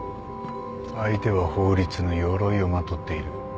相手は法律のよろいをまとっている。